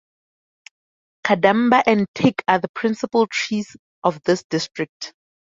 Cadamba and teak are the principle trees of this district.